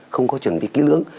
không có chuẩn bị kỹ lưỡng